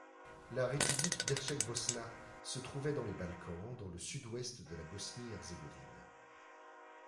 La république d'Herceg-Bosna se trouvait dans les Balkans, dans le sud-ouest de la Bosnie-Herzégovine.